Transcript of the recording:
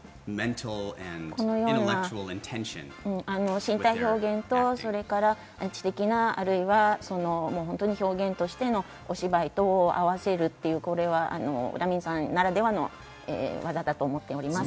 身体表現と知的な、あるいは表現としてのお芝居と合わせるということ、ラミンさんならではの技だと思っています。